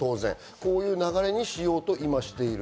こういう流れにしようと今している。